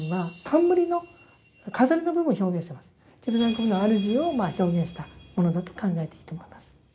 チブサン古墳の主を表現したものだと考えていいと思います。